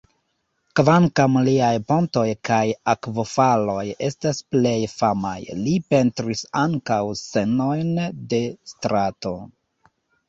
Kvankam liaj pontoj kaj akvofaloj estas plej famaj, li pentris ankaŭ scenojn de strato.